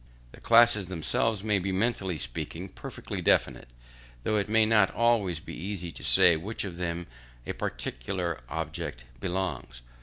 The classes themselves may be, mentally speaking, perfectly definite, though it may not always be easy to say to which of them a particular object belongs.